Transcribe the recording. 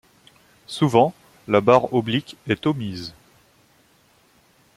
Souvent, la barre oblique est omise.